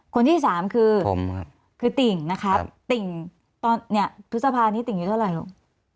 คนที่สามคือผมครับคือติ่งนะครับติ่งตอนเนี่ยทุกสภานนี้ติ่งอยู่เท่าไหร่ครับ